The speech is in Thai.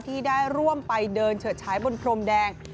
ที่ได้ร่วมไปเดินเฉิดฉายบนพรมแดง